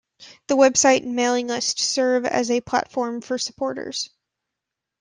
The website and mailing list serve as a platform for supporters.